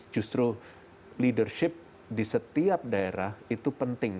justru leadership di setiap daerah itu penting